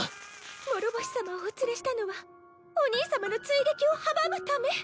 諸星さまをお連れしたのはお兄さまの追撃をはばむため。